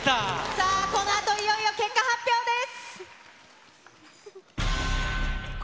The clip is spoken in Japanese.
さあ、このあと、いよいよ結果発表です。